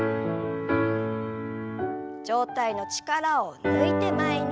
上体の力を抜いて前に。